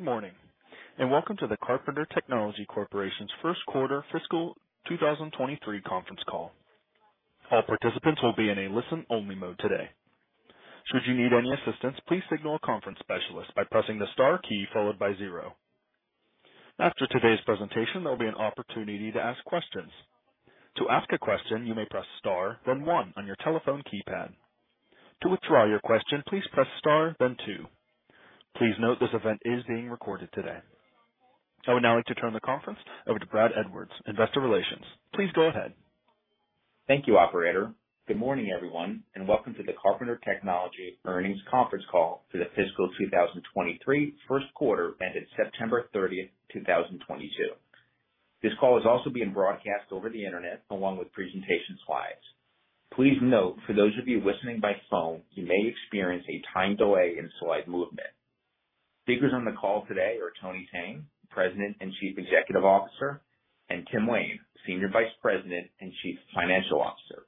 Good morning, and welcome to the Carpenter Technology Corporation's first quarter fiscal 2023 conference call. All participants will be in a listen-only mode today. Should you need any assistance, please signal a conference specialist by pressing the star key followed by zero. After today's presentation, there'll be an opportunity to ask questions. To ask a question, you may press star then one on your telephone keypad. To withdraw your question, please press star then two. Please note this event is being recorded today. I would now like to turn the conference over to Brad Edwards, Investor Relations. Please go ahead. Thank you, operator. Good morning, everyone, and welcome to the Carpenter Technology Earnings Conference Call for the fiscal 2023 first quarter ended September 30, 2022. This call is also being broadcast over the Internet along with presentation slides. Please note for those of you listening by phone, you may experience a timed delay in slide movement. Speakers on the call today are Tony Thene, President and Chief Executive Officer, and Tim Lain, Senior Vice President and Chief Financial Officer.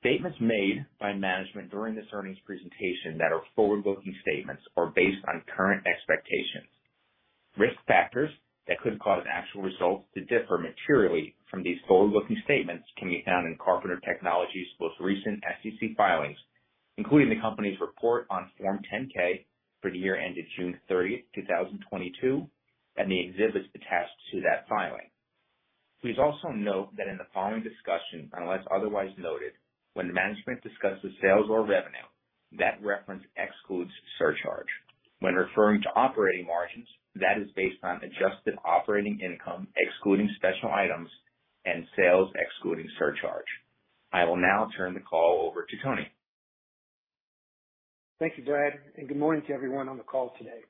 Statements made by management during this earnings presentation that are forward-looking statements are based on current expectations. Risk factors that could cause actual results to differ materially from these forward-looking statements can be found in Carpenter Technology's most recent SEC filings, including the company's report on Form 10-K for the year ended June 30, 2022, and the exhibits attached to that filing. Please also note that in the following discussion, unless otherwise noted, when management discusses sales or revenue, that reference excludes surcharge. When referring to operating margins, that is based on adjusted operating income excluding special items and sales excluding surcharge. I will now turn the call over to Tony. Thank you, Brad, and good morning to everyone on the call today.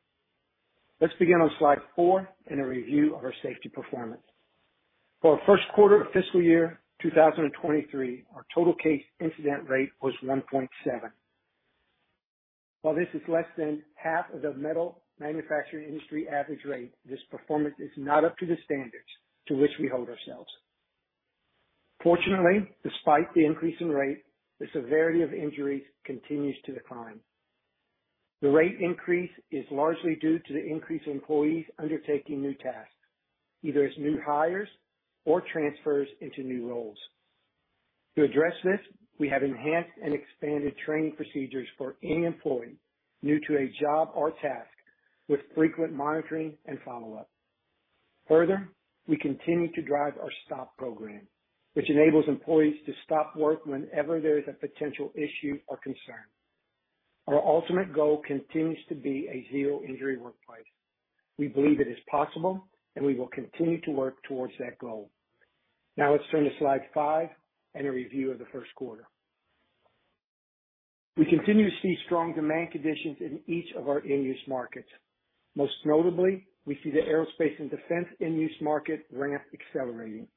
Let's begin on slide four in a review of our safety performance. For our first quarter of fiscal year 2023, our Total Case Incident Rate was 1.7. While this is less than half of the metal manufacturing industry average rate, this performance is not up to the standards to which we hold ourselves. Fortunately, despite the increase in rate, the severity of injuries continues to decline. The rate increase is largely due to the increase in employees undertaking new tasks, either as new hires or transfers into new roles. To address this, we have enhanced and expanded training procedures for any employee new to a job or task with frequent monitoring and follow-up. Further, we continue to drive our STOP program, which enables employees to stop work whenever there is a potential issue or concern. Our ultimate goal continues to be a zero injury workplace. We believe it is possible, and we will continue to work towards that goal. Now let's turn to slide five and a review of the first quarter. We continue to see strong demand conditions in each of our end-use markets. Most notably, we see the aerospace and defense end-use market ramp accelerating.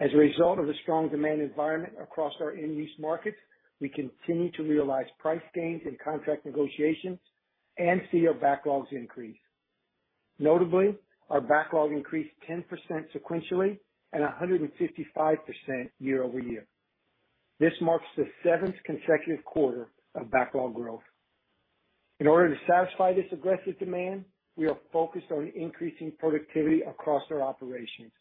As a result of the strong demand environment across our end-use markets, we continue to realize price gains in contract negotiations and see our backlogs increase. Notably, our backlog increased 10% sequentially and 155% year-over-year. This marks the seventh consecutive quarter of backlog growth. In order to satisfy this aggressive demand, we are focused on increasing productivity across our operations,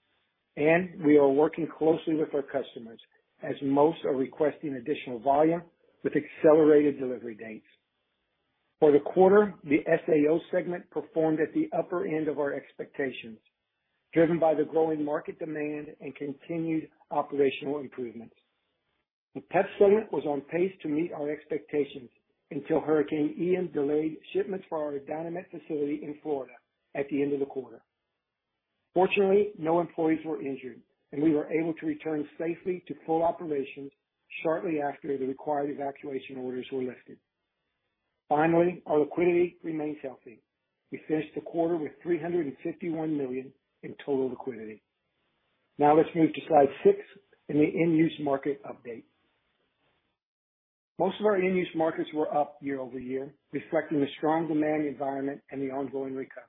and we are working closely with our customers as most are requesting additional volume with accelerated delivery dates. For the quarter, the SAO segment performed at the upper end of our expectations, driven by the growing market demand and continued operational improvements. The PEP segment was on pace to meet our expectations until Hurricane Ian delayed shipments for our Dynamet facility in Florida at the end of the quarter. Fortunately, no employees were injured, and we were able to return safely to full operations shortly after the required evacuation orders were lifted. Finally, our liquidity remains healthy. We finished the quarter with $351 million in total liquidity. Now let's move to slide six in the end-use market update. Most of our end-use markets were up year-over-year, reflecting the strong demand environment and the ongoing recovery.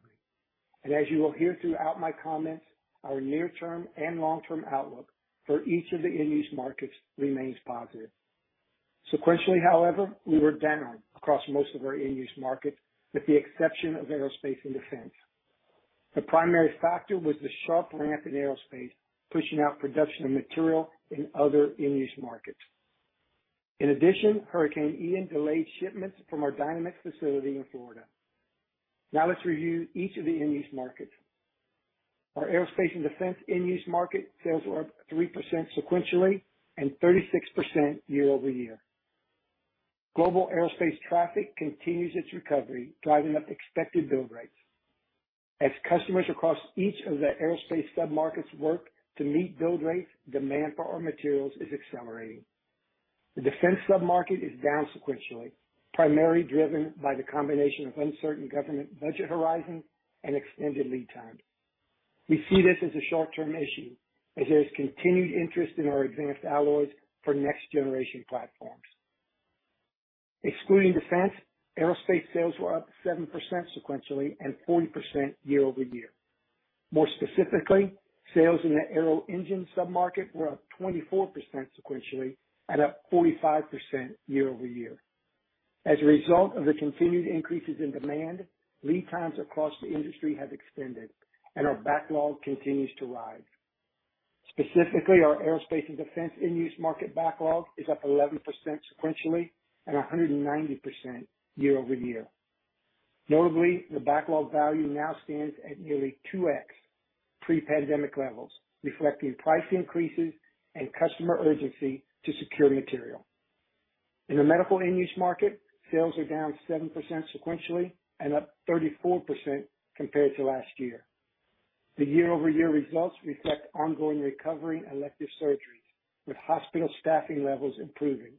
As you will hear throughout my comments, our near-term and long-term outlook for each of the end-use markets remains positive. Sequentially, however, we were down across most of our end-use markets, with the exception of aerospace and defense. The primary factor was the sharp ramp in aerospace, pushing out production of material in other end-use markets. In addition, Hurricane Ian delayed shipments from our Dynamet facility in Florida. Now let's review each of the end-use markets. Our aerospace and defense end-use market sales were up 3% sequentially and 36% year-over-year. Global air traffic continues its recovery, driving up expected build rates. As customers across each of the aerospace submarkets work to meet build rates, demand for our materials is accelerating. The defense submarket is down sequentially, primarily driven by the combination of uncertain government budget horizon and extended lead time. We see this as a short-term issue as there is continued interest in our advanced alloys for next generation platforms. Excluding defense, aerospace sales were up 7% sequentially and 40% year-over-year. More specifically, sales in the aero engine sub-market were up 24% sequentially and up 45% year-over-year. As a result of the continued increases in demand, lead times across the industry have extended and our backlog continues to rise. Specifically, our aerospace and defense end-use market backlog is up 11% sequentially and 190% year-over-year. Notably, the backlog value now stands at nearly 2x pre-pandemic levels, reflecting price increases and customer urgency to secure material. In the medical end-use market, sales are down 7% sequentially and up 34% compared to last year. The year-over-year results reflect ongoing recovery in elective surgeries, with hospital staffing levels improving.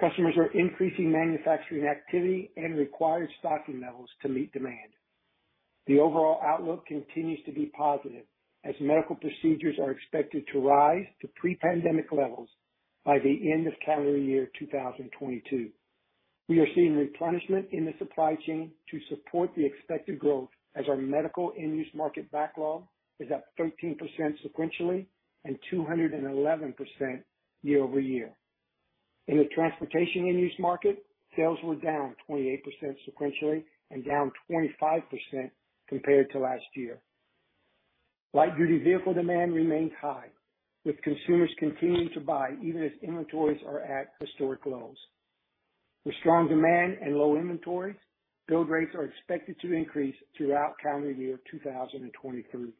Customers are increasing manufacturing activity and required stocking levels to meet demand. The overall outlook continues to be positive as medical procedures are expected to rise to pre-pandemic levels by the end of calendar year 2022. We are seeing replenishment in the supply chain to support the expected growth as our medical end-use market backlog is up 13% sequentially and 211% year-over-year. In the transportation end-use market, sales were down 28% sequentially and down 25% compared to last year. Light duty vehicle demand remains high, with consumers continuing to buy even as inventories are at historic lows. With strong demand and low inventories, build rates are expected to increase throughout calendar year 2023.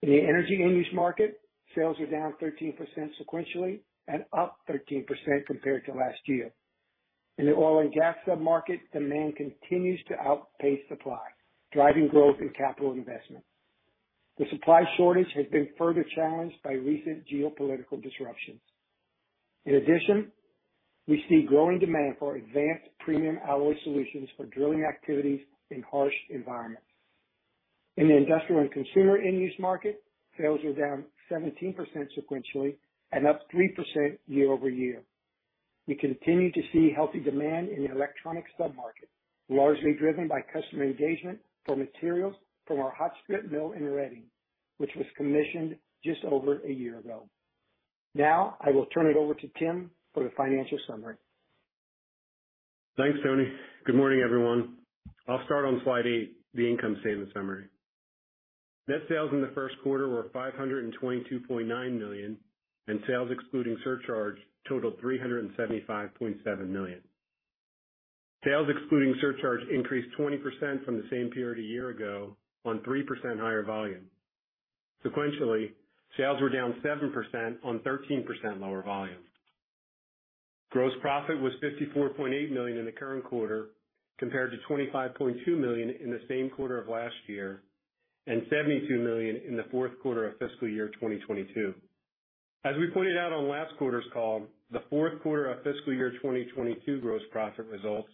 In the energy end-use market, sales are down 13% sequentially and up 13% compared to last year. In the oil and gas sub-market, demand continues to outpace supply, driving growth in capital investment. The supply shortage has been further challenged by recent geopolitical disruptions. In addition, we see growing demand for advanced premium alloy solutions for drilling activities in harsh environments. In the industrial and consumer end-use market, sales are down 17% sequentially and up 3% year-over-year. We continue to see healthy demand in the electronic sub-market, largely driven by customer engagement for materials from our hot-strip mill in Reading, which was commissioned just over a year ago. Now, I will turn it over to Tim for the financial summary. Thanks, Tony. Good morning, everyone. I'll start on slide 8, the income statement summary. Net sales in the first quarter were $522.9 million, and sales excluding surcharge totaled $375.7 million. Sales excluding surcharge increased 20% from the same period a year ago on 3% higher volume. Sequentially, sales were down 7% on 13% lower volume. Gross profit was $54.8 million in the current quarter, compared to $25.2 million in the same quarter of last year, and $72 million in the fourth quarter of fiscal year 2022. As we pointed out on last quarter's call, the fourth quarter of fiscal year 2022 gross profit results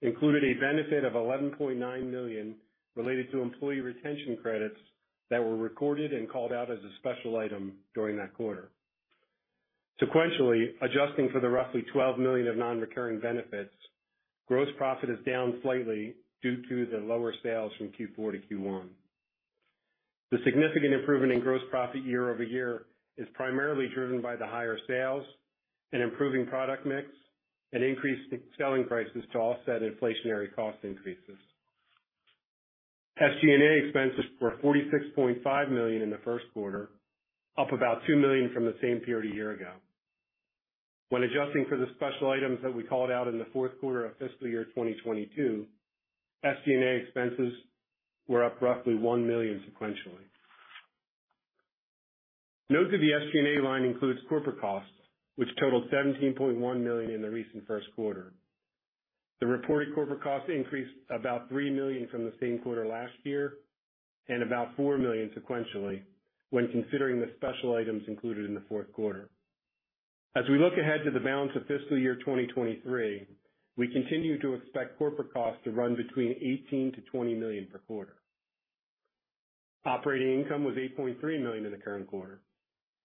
included a benefit of $11.9 million related to Employee Retention Credit that were recorded and called out as a special item during that quarter. Sequentially, adjusting for the roughly $12 million of non-recurring benefits, gross profit is down slightly due to the lower sales from Q4 to Q1. The significant improvement in gross profit year-over-year is primarily driven by the higher sales and improving product mix, and increased selling prices to offset inflationary cost increases. SG&A expenses were $46.5 million in the first quarter, up about $2 million from the same period a year ago. When adjusting for the special items that we called out in the fourth quarter of fiscal year 2022, SG&A expenses were up roughly $1 million sequentially. Note that the SG&A line includes corporate costs, which totaled $17.1 million in the recent first quarter. The reported corporate costs increased about $3 million from the same quarter last year, and about $4 million sequentially when considering the special items included in the fourth quarter. As we look ahead to the balance of fiscal year 2023, we continue to expect corporate costs to run between $18-$20 million per quarter. Operating income was $8.3 million in the current quarter.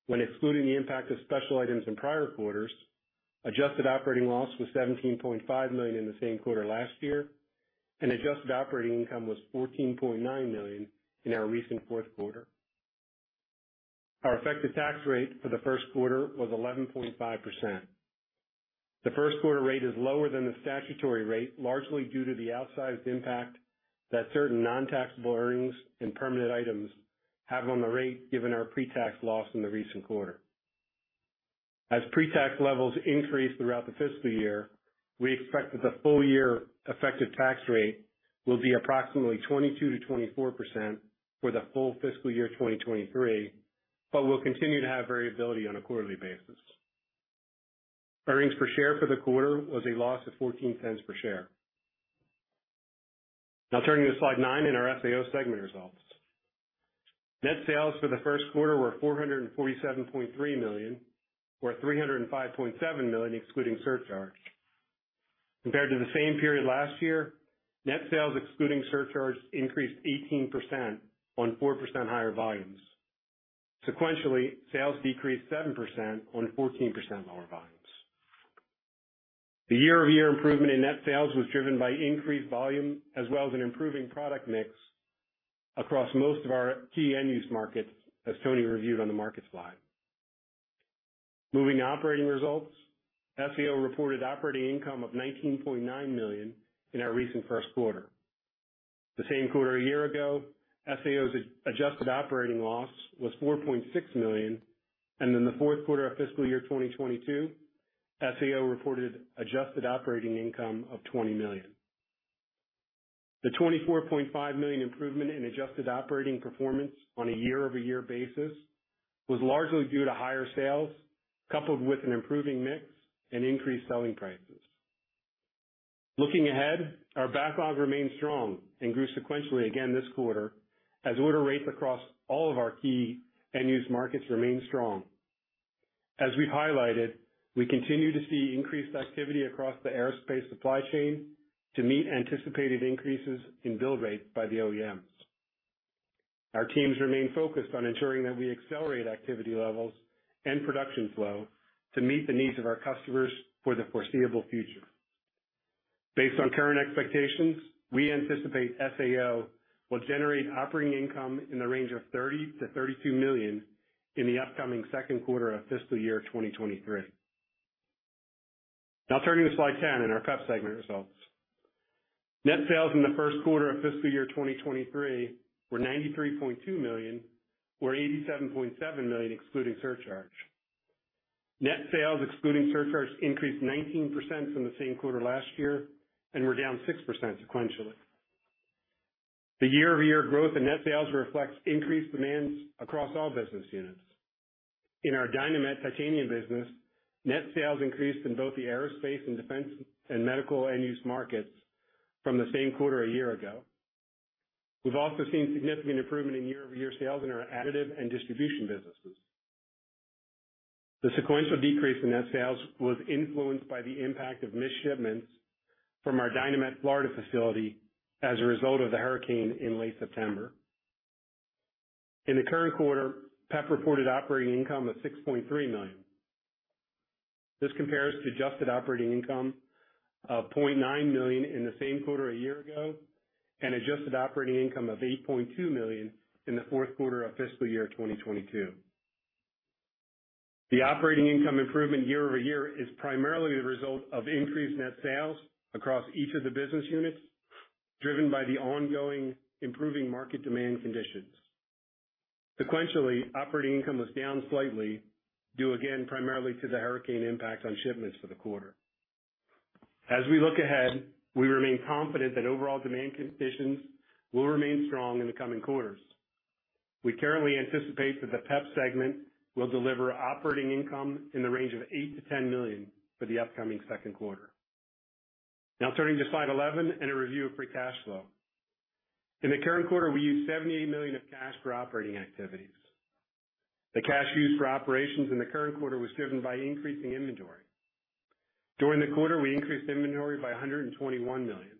When excluding the impact of special items in prior quarters, adjusted operating loss was $17.5 million in the same quarter last year, and adjusted operating income was $14.9 million in our recent fourth quarter. Our effective tax rate for the first quarter was 11.5%. The first quarter rate is lower than the statutory rate, largely due to the outsized impact that certain non-taxable earnings and permanent items have on the rate, given our pre-tax loss in the recent quarter. As pre-tax levels increase throughout the fiscal year, we expect that the full year effective tax rate will be approximately 22%-24% for the full fiscal year 2023, but we'll continue to have variability on a quarterly basis. Earnings per share for the quarter was a loss of $0.14 per share. Now turning to slide nine and our SAO segment results. Net sales for the first quarter were $447.3 million, or $305.7 million excluding surcharge. Compared to the same period last year, net sales excluding surcharge increased 18% on 4% higher volumes. Sequentially, sales decreased 7% on 14% lower volumes. The year-over-year improvement in net sales was driven by increased volume, as well as an improving product mix across most of our key end-use markets, as Tony reviewed on the markets slide. Moving operating results. SAO reported operating income of $19.9 million in our recent first quarter. The same quarter a year ago, SAO's adjusted operating loss was $4.6 million, and in the fourth quarter of fiscal year 2022, SAO reported adjusted operating income of $20 million. The $24.5 million improvement in adjusted operating performance on a year-over-year basis was largely due to higher sales, coupled with an improving mix and increased selling prices. Looking ahead, our backlog remains strong and grew sequentially again this quarter as order rates across all of our key end-use markets remain strong. As we highlighted, we continue to see increased activity across the aerospace supply chain to meet anticipated increases in build rate by the OEMs. Our teams remain focused on ensuring that we accelerate activity levels and production flow to meet the needs of our customers for the foreseeable future. Based on current expectations, we anticipate SAO will generate operating income in the range of $30-$32 million in the upcoming second quarter of fiscal year 2023. Now turning to slide 10 in our PEP segment results. Net sales in the first quarter of fiscal year 2023 were $93.2 million, or $87.7 million excluding surcharge. Net sales excluding surcharge increased 19% from the same quarter last year and were down 6% sequentially. The year-over-year growth in net sales reflects increased demands across all business units. In our Dynamet titanium business, net sales increased in both the aerospace and defense and medical end-use markets from the same quarter a year ago. We've also seen significant improvement in year-over-year sales in our additive and distribution businesses. The sequential decrease in net sales was influenced by the impact of missed shipments from our Dynamet Florida facility as a result of the hurricane in late September. In the current quarter, PEP reported operating income of $6.3 million. This compares to adjusted operating income of $0.9 million in the same quarter a year ago, and adjusted operating income of $8.2 million in the fourth quarter of fiscal year 2022. The operating income improvement year-over-year is primarily the result of increased net sales across each of the business units, driven by the ongoing improving market demand conditions. Sequentially, operating income was down slightly due again primarily to the hurricane impact on shipments for the quarter. As we look ahead, we remain confident that overall demand conditions will remain strong in the coming quarters. We currently anticipate that the PEP segment will deliver operating income in the range of $8 million-$10 million for the upcoming second quarter. Now turning to slide 11 and a review of free cash flow. In the current quarter, we used $78 million of cash for operating activities. The cash used for operations in the current quarter was driven by increasing inventory. During the quarter, we increased inventory by $121 million.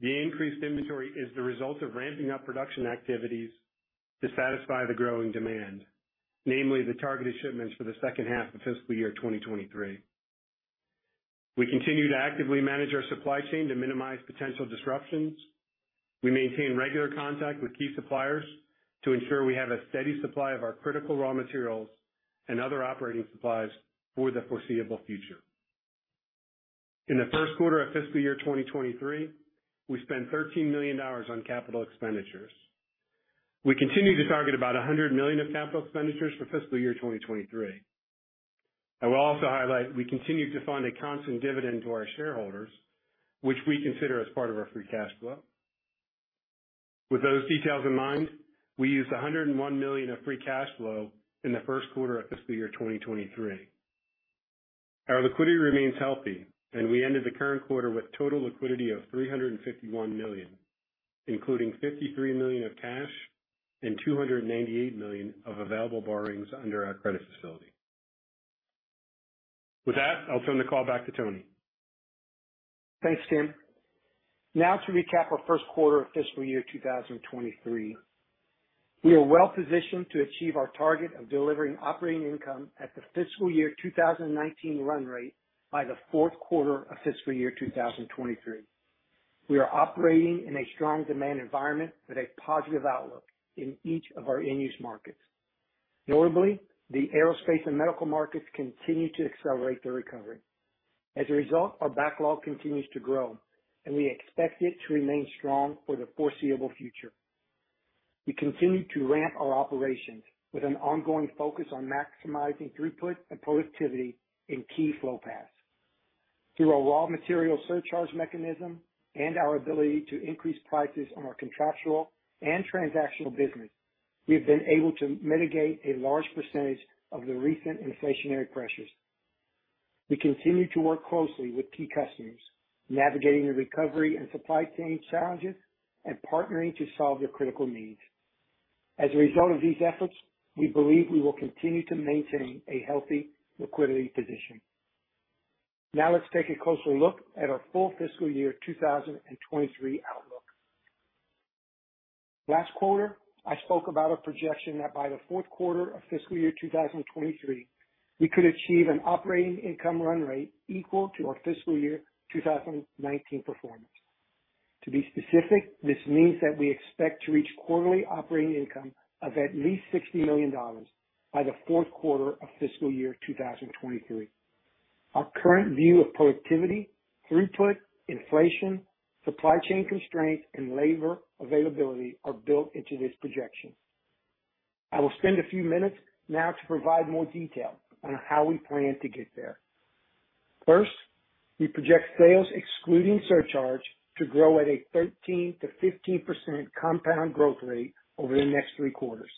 The increased inventory is the result of ramping up production activities to satisfy the growing demand, namely the targeted shipments for the second half of fiscal year 2023. We continue to actively manage our supply chain to minimize potential disruptions. We maintain regular contact with key suppliers to ensure we have a steady supply of our critical raw materials and other operating supplies for the foreseeable future. In the first quarter of fiscal year 2023, we spent $13 million on capital expenditures. We continue to target about $100 million of capital expenditures for fiscal year 2023. I will also highlight we continue to fund a constant dividend to our shareholders, which we consider as part of our free cash flow. With those details in mind, we used $101 million of free cash flow in the first quarter of fiscal year 2023. Our liquidity remains healthy and we ended the current quarter with total liquidity of $351 million, including $53 million of cash and $298 million of available borrowings under our credit facility. With that, I'll turn the call back to Tony. Thanks, Tim. Now to recap our first quarter of fiscal year 2023. We are well positioned to achieve our target of delivering operating income at the fiscal year 2019 run rate by the fourth quarter of fiscal year 2023. We are operating in a strong demand environment with a positive outlook in each of our end-use markets. Notably, the aerospace and medical markets continue to accelerate their recovery. As a result, our backlog continues to grow, and we expect it to remain strong for the foreseeable future. We continue to ramp our operations with an ongoing focus on maximizing throughput and productivity in key flow paths. Through our raw material surcharge mechanism and our ability to increase prices on our contractual and transactional business, we have been able to mitigate a large percentage of the recent inflationary pressures. We continue to work closely with key customers, navigating the recovery and supply chain challenges and partnering to solve their critical needs. As a result of these efforts, we believe we will continue to maintain a healthy liquidity position. Now let's take a closer look at our full fiscal year 2023 outlook. Last quarter, I spoke about a projection that by the fourth quarter of fiscal year 2023, we could achieve an operating income run rate equal to our fiscal year 2019 performance. To be specific, this means that we expect to reach quarterly operating income of at least $60 million by the fourth quarter of fiscal year 2023. Our current view of productivity, throughput, inflation, supply chain constraints, and labor availability are built into this projection. I will spend a few minutes now to provide more detail on how we plan to get there. First, we project sales excluding surcharge to grow at a 13%-15% compound growth rate over the next three quarters.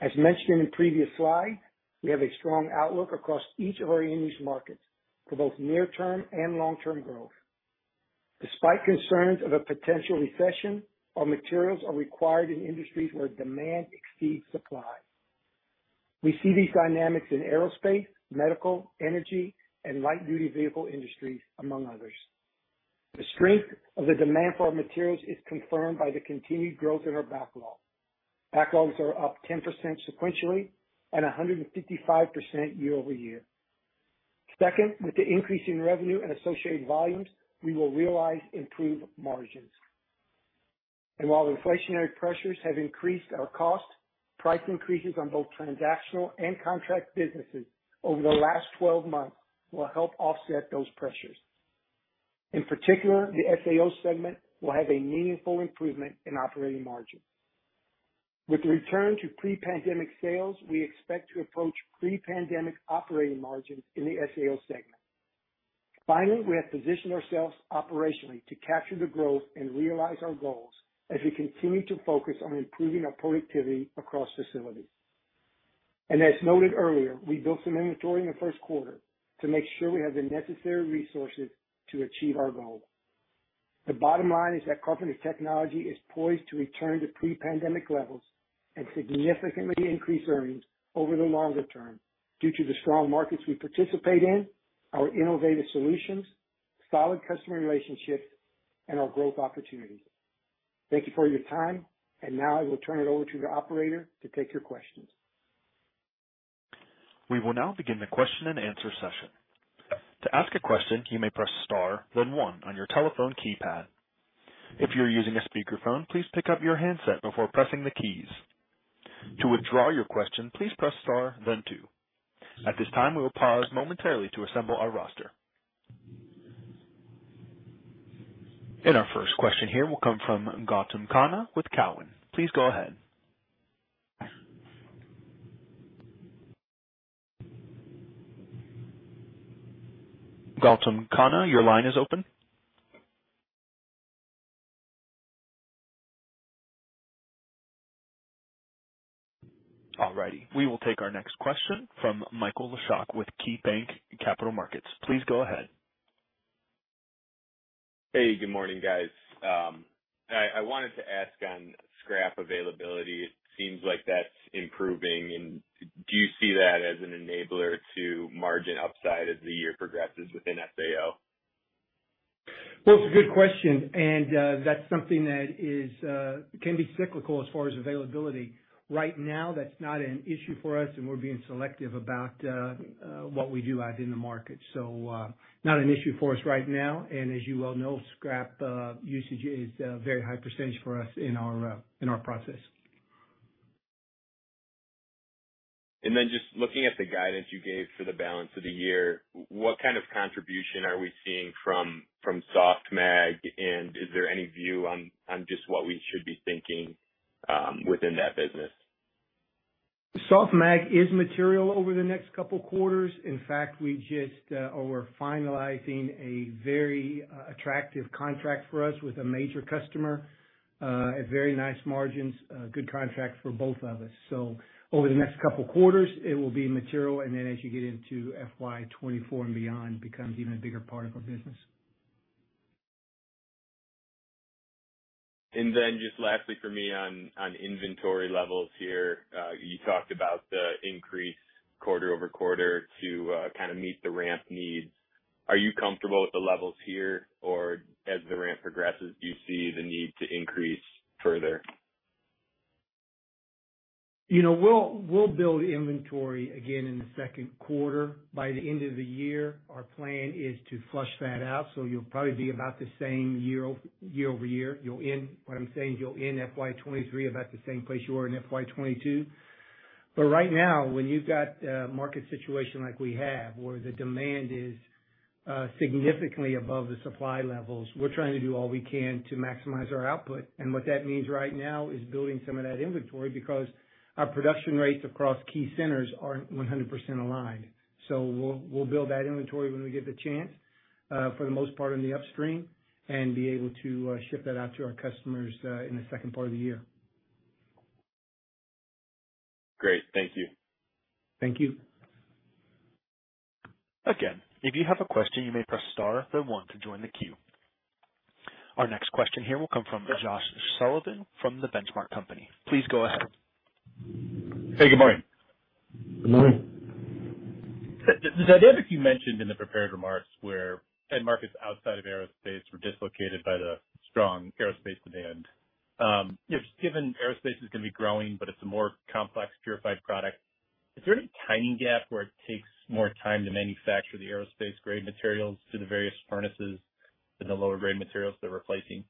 As mentioned in previous slide, we have a strong outlook across each of our end-use markets for both near term and long-term growth. Despite concerns of a potential recession, our materials are required in industries where demand exceeds supply. We see these dynamics in aerospace, medical, energy, and light duty vehicle industries, among others. The strength of the demand for our materials is confirmed by the continued growth in our backlog. Backlogs are up 10% sequentially and 155% year-over-year. Second, with the increase in revenue and associated volumes, we will realize improved margins. While the inflationary pressures have increased our cost, price increases on both transactional and contract businesses over the last 12 months will help offset those pressures. In particular, the SAO segment will have a meaningful improvement in operating margin. With the return to pre-pandemic sales, we expect to approach pre-pandemic operating margins in the SAO segment. Finally, we have positioned ourselves operationally to capture the growth and realize our goals as we continue to focus on improving our productivity across facilities. As noted earlier, we built some inventory in the first quarter to make sure we have the necessary resources to achieve our goals. The bottom line is that Carpenter Technology is poised to return to pre-pandemic levels and significantly increase earnings over the longer term due to the strong markets we participate in, our innovative solutions, solid customer relationships, and our growth opportunities. Thank you for your time, and now I will turn it over to the operator to take your questions. We will now begin the question and answer session. To ask a question, you may press star then one on your telephone keypad. If you're using a speaker phone, please pick up your handset before pressing the keys. To withdraw your question, please press star then two. At this time, we will pause momentarily to assemble our roster. Our first question here will come from Gautam Khanna with Cowen. Please go ahead. Gautam Khanna, your line is open. All righty. We will take our next question from Michael Leshock with KeyBanc Capital Markets. Please go ahead. Hey, good morning, guys. I wanted to ask on scrap availability. It seems like that's improving. Do you see that as an enabler to margin upside as the year progresses within SAO? Well, it's a good question, and that's something that can be cyclical as far as availability. Right now, that's not an issue for us, and we're being selective about what we do out in the market. Not an issue for us right now. As you well know, scrap usage is a very high percentage for us in our process. Just looking at the guidance you gave for the balance of the year, what kind of contribution are we seeing from soft mag? Is there any view on just what we should be thinking within that business? Soft mag is material over the next couple quarters. In fact, we're finalizing a very attractive contract for us with a major customer at very nice margins. A good contract for both of us. Over the next couple quarters it will be material, and then as you get into FY 2024 and beyond, becomes even a bigger part of our business. Just lastly for me on inventory levels here, you talked about the increase quarter over quarter to kind of meet the ramp needs. Are you comfortable with the levels here, or as the ramp progresses, do you see the need to increase further? You know, we'll build inventory again in the second quarter. By the end of the year, our plan is to flush that out, so you'll probably be about the same year over year. What I'm saying is you'll end FY 2023 about the same place you were in FY 2022. Right now, when you've got a market situation like we have, where the demand is significantly above the supply levels, we're trying to do all we can to maximize our output. What that means right now is building some of that inventory because our production rates across key centers aren't 100% aligned. We'll build that inventory when we get the chance, for the most part in the upstream, and be able to ship that out to our customers in the second part of the year. Great. Thank you. Thank you. Again, if you have a question, you may press star then one to join the queue. Our next question here will come from Josh Sullivan from The Benchmark Company. Please go ahead. Hey, good morning. Good morning. The dynamic you mentioned in the prepared remarks where end markets outside of aerospace were dislocated by the strong aerospace demand. Just given aerospace is gonna be growing, but it's a more complex purified product, is there any timing gap where it takes more time to manufacture the aerospace-grade materials through the various furnaces than the lower grade materials they're replacing?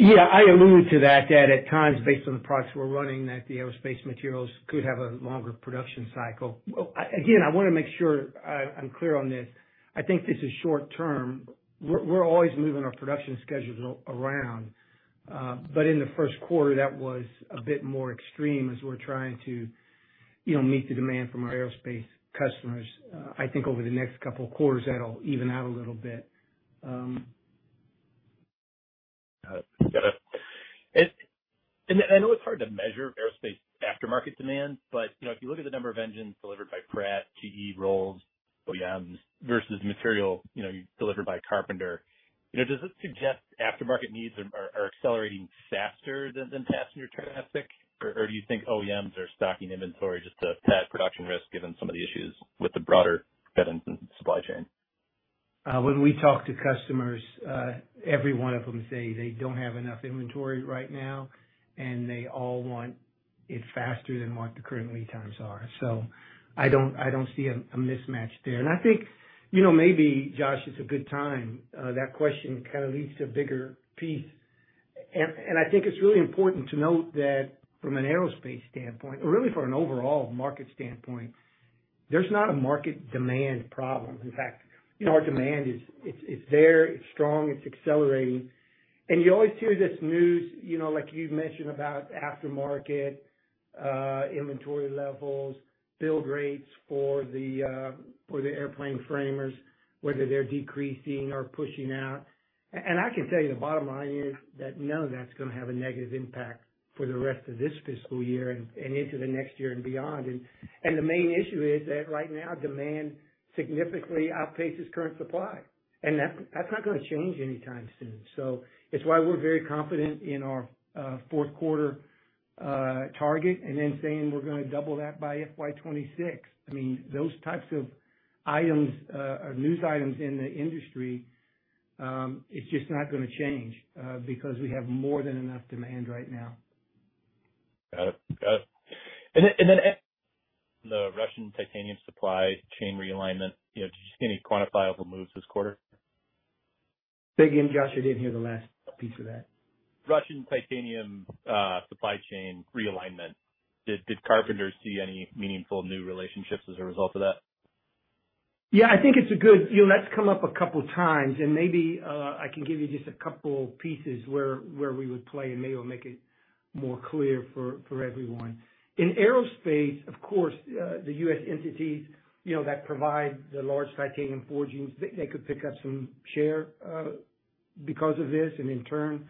Yeah, I alluded to that at times, based on the products we're running, that the aerospace materials could have a longer production cycle. Again, I wanna make sure I'm clear on this. I think this is short term. We're always moving our production schedules around. In the first quarter, that was a bit more extreme as we're trying to, you know, meet the demand from our aerospace customers. I think over the next couple of quarters, that'll even out a little bit. Got it. I know it's hard to measure aerospace aftermarket demand, but, you know, if you look at the number of engines delivered by Pratt & Whitney, GE Aerospace, Rolls-Royce, OEMs, versus material, you know, delivered by Carpenter Technology, you know, does this suggest aftermarket needs are accelerating faster than passenger traffic? Or do you think OEMs are stocking inventory just to pad production risk given some of the issues with the broader supply chain? When we talk to customers, every one of them say they don't have enough inventory right now, and they all want it faster than what the current lead times are. I don't see a mismatch there. I think, you know, maybe, Josh, it's a good time. That question kind of leads to a bigger piece. I think it's really important to note that from an aerospace standpoint, or really from an overall market standpoint, there's not a market demand problem. In fact, you know, our demand is. It's there, it's strong, it's accelerating. You always hear this news, you know, like you've mentioned, about aftermarket inventory levels, build rates for the airframers, whether they're decreasing or pushing out. I can tell you the bottom line is that none of that's gonna have a negative impact for the rest of this fiscal year and the main issue is that right now, demand significantly outpaces current supply, and that's not gonna change anytime soon. It's why we're very confident in our fourth quarter target, and then saying we're gonna double that by FY 2026. I mean, those types of items or news items in the industry, it's just not gonna change because we have more than enough demand right now. Got it. The Russian titanium supply chain realignment, you know, did you see any quantifiable moves this quarter? Say again, Josh. I didn't hear the last piece of that. Russian titanium supply chain realignment, did Carpenter see any meaningful new relationships as a result of that? Yeah, I think it's a good. You know, that's come up a couple times, and maybe I can give you just a couple pieces where we would play, and maybe it'll make it more clear for everyone. In aerospace, of course, the U.S. entities, you know, that provide the large titanium forgings, they could pick up some share because of this. In turn,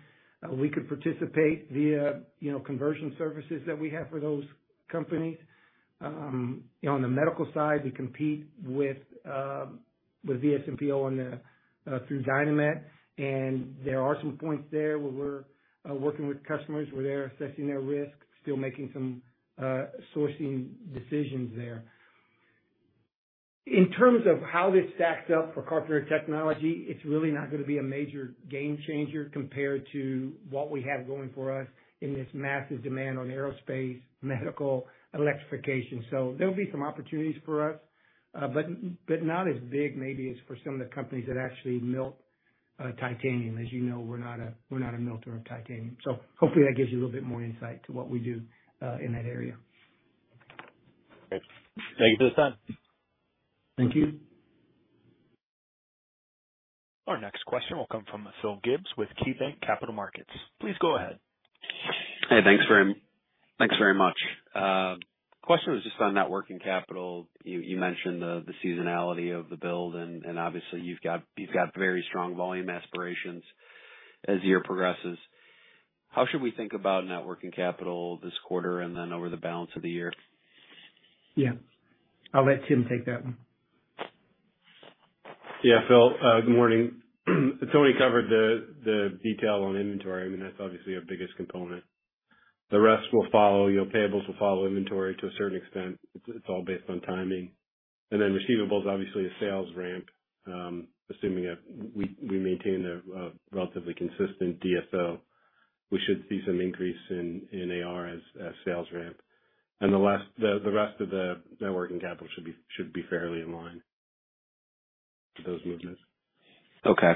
we could participate via, you know, conversion services that we have for those companies. On the medical side, we compete with VSMPO-AVISMA through Dynamet. There are some points there where we're working with customers, where they're assessing their risk, still making some sourcing decisions there. In terms of how this stacks up for Carpenter Technology, it's really not gonna be a major game changer compared to what we have going for us in this massive demand on aerospace, medical, electrification. There'll be some opportunities for us, but not as big maybe as for some of the companies that actually melt titanium. As you know, we're not a melter of titanium. Hopefully, that gives you a little bit more insight to what we do in that area. Great. Thank you for the time. Thank you. Our next question will come from Philip Gibbs with KeyBanc Capital Markets. Please go ahead. Hey, thanks very much. Question was just on net working capital. You mentioned the seasonality of the build, and obviously you've got very strong volume aspirations as the year progresses. How should we think about net working capital this quarter and then over the balance of the year? Yeah. I'll let Tim take that one. Yeah, Phil, good morning. Tony covered the detail on inventory. I mean, that's obviously our biggest component. The rest will follow. You know, payables will follow inventory to a certain extent. It's all based on timing. Then receivables, obviously, as sales ramp, assuming that we maintain a relatively consistent DSO, we should see some increase in AR as sales ramp. The rest of the net working capital should be fairly in line to those movements. Okay.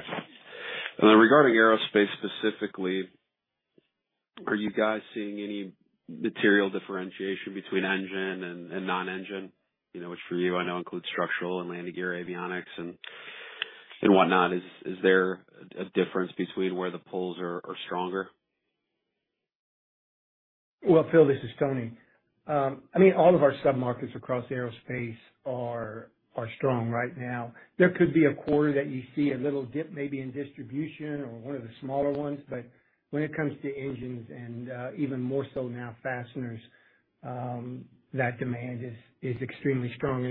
Now regarding aerospace specifically, are you guys seeing any material differentiation between engine and non-engine, you know, which for you I know includes structural and landing gear avionics and whatnot. Is there a difference between where the pulls are stronger? Well, Phil, this is Tony. I mean, all of our submarkets across aerospace are strong right now. There could be a quarter that you see a little dip, maybe in distribution or one of the smaller ones, but when it comes to engines and even more so now fasteners, that demand is extremely strong.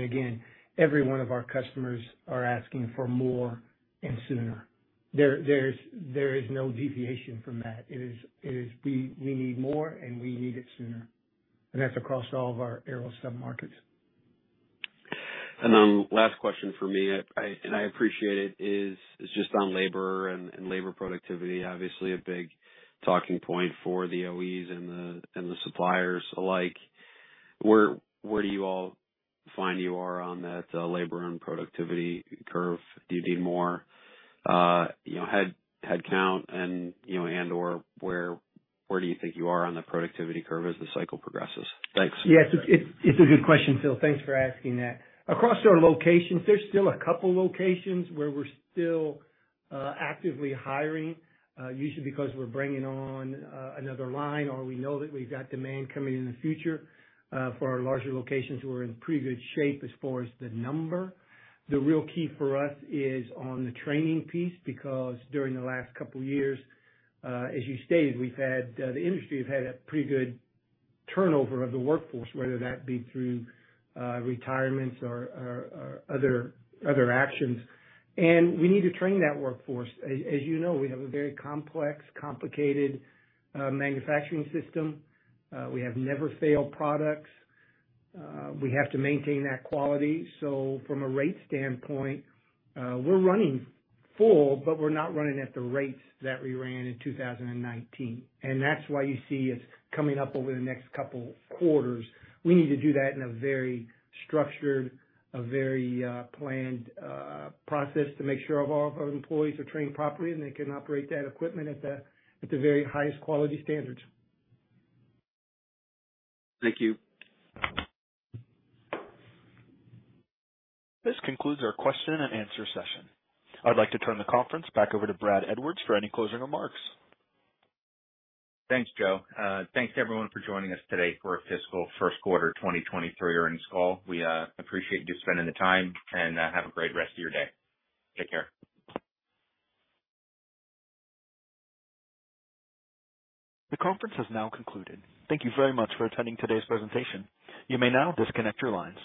Every one of our customers are asking for more and sooner. There is no deviation from that. It is we need more and we need it sooner. That's across all of our aero submarkets. Then last question for me, I appreciate it, is just on labor and labor productivity. Obviously a big talking point for the OEMs and the suppliers alike. Where do you all find you are on that labor and productivity curve? Do you need more headcount and/or where do you think you are on the productivity curve as the cycle progresses? Thanks. Yes, it's a good question, Phil. Thanks for asking that. Across our locations, there's still a couple locations where we're still actively hiring, usually because we're bringing on another line or we know that we've got demand coming in the future. For our larger locations, we're in pretty good shape as far as the number. The real key for us is on the training piece, because during the last couple years, as you stated, the industry has had a pretty good turnover of the workforce, whether that be through retirements or other actions. We need to train that workforce. As you know, we have a very complex, complicated manufacturing system. We have never failed products. We have to maintain that quality. From a rate standpoint, we're running full, but we're not running at the rates that we ran in 2019. That's why you see it's coming up over the next couple quarters. We need to do that in a very structured, very planned process to make sure all of our employees are trained properly and they can operate that equipment at the very highest quality standards. Thank you. This concludes our question and answer session. I'd like to turn the conference back over to Brad Edwards for any closing remarks. Thanks, Joe. Thanks everyone for joining us today for our fiscal first quarter 2023 earnings call. We appreciate you spending the time and have a great rest of your day. Take care. The conference has now concluded. Thank you very much for attending today's presentation. You may now disconnect your lines.